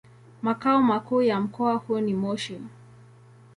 Makao makuu ya mkoa huu ni Moshi.